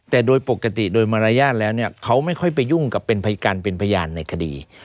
แต่โดยปกติโดยมารยาทแล้วเนี่ยเขาไม่ค่อยไปยุ่งกับเป็นพยานเป็นพยานในคดี